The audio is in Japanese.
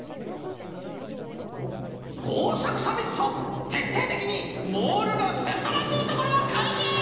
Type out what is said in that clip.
こうさくサミットてっていてきにモールのすんばらしいところかいぎ！